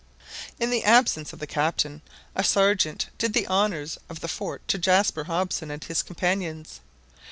In the absence of the Captain a Sergeant did the honours of the fort to Jaspar Hobson and his companions.